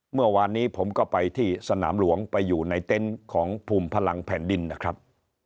เมื่อวานนี้ผมก็ไปที่สนามหลวงไปอยู่ในเต็นต์ของภูมิพลังแผ่นดินนะครับ